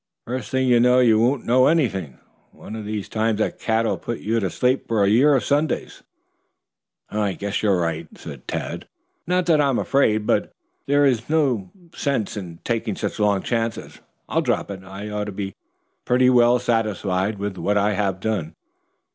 First thing you know you won't know anything. One of these times a cat'll put you to sleep for a year of Sundays." "I guess you are right. Not that I am afraid, but there is no sense in taking such long chances. I'll drop it. I ought to be pretty well satisfied with what I have done."